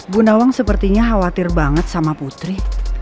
bu nawang sepertinya khawatir banget sama putri